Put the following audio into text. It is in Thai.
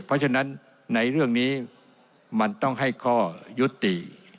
เพราะฉะนั้นในเรื่องนี้มันต้องให้ข้อยุติ